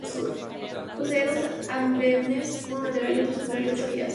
Posee dos andenes uno lateral y otro central y ocho vías.